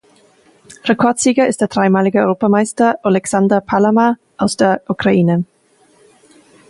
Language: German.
Rekordsieger ist der dreimalige Europameister Oleksandr Palamar aus der Ukraine.